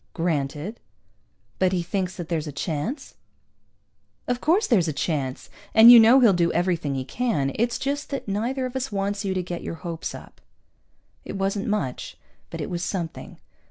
"Granted." "But he thinks that there's a chance?" "Of course there's a chance. And you know he'll do everything he can. It's just that neither of us wants you to get your hopes up." It wasn't much, but it was something.